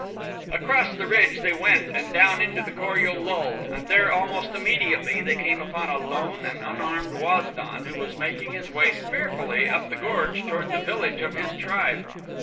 Across the ridge they went and down into the Kor ul lul and there almost immediately they came upon a lone and unarmed Waz don who was making his way fearfully up the gorge toward the village of his tribe.